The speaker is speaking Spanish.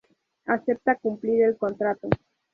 Acepta cumplir el contrato.